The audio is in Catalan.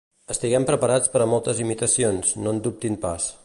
Estiguem preparats per a moltes imitacions, no en dubtin pas.